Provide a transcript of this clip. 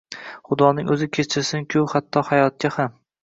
Xudoning o’zi kechirsin-ku, hatto… hayotga ham…